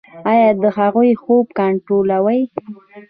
ایا د هغوی خوب کنټرولوئ؟